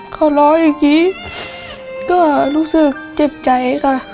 เขาร้องอย่างนี้ก็รู้สึกเจ็บใจค่ะ